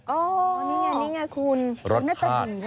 นี่ไงนี่ไงคุณน่าจะดีน่าจะดี